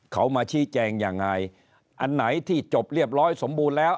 เขามาชี้แจงยังไงอันไหนที่จบเรียบร้อยสมบูรณ์แล้ว